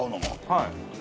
はい。